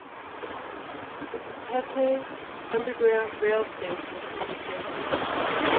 The Catete underground rail station is adjacent.